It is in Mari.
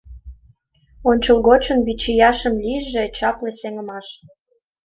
Ончылгочын вичияшым Лийже чапле сеҥымаш.